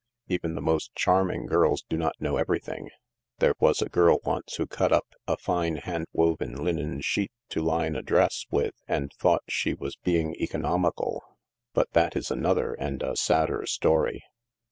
Even the most charming girls do not know everything. There was a girl once who cut up a fine hand woven linen sheet to line a dress with and thought she was being economical, but that is another, and a sadder, story.